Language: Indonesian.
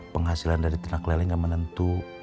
penghasilan dari ternak lele nggak menentu